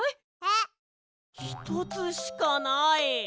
ひとつしかない！